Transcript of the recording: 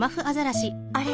あれ？